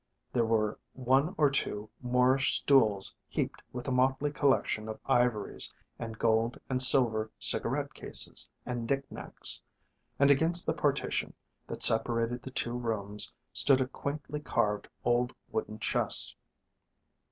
There were one or two Moorish stools heaped with a motley collection of ivories and gold and silver cigarette cases and knick knacks, and against the partition that separated the two rooms stood a quaintly carved old wooden chest.